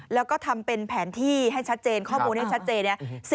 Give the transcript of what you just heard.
แล้วก็ทำเป็นแผนที่ให้ชัดเจนข้อมูลให้ชัดเจนเนี่ย